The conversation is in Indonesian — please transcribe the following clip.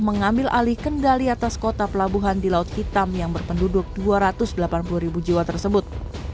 mengambil alih kendali atas kota pelabuhan di laut hitam yang berpenduduk dua ratus delapan puluh ribu jiwa tersebut